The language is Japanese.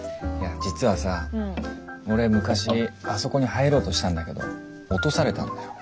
実はさ俺昔あそこに入ろうとしたんだけど落とされたんだよ。